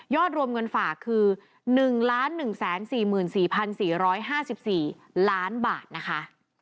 รวมเงินฝากคือ๑๑๔๔๔๕๔ล้านบาทนะคะ